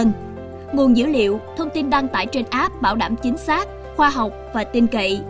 nguồn dữ liệu thông tin đăng tải trên app bảo đảm chính xác khoa học và tin cậy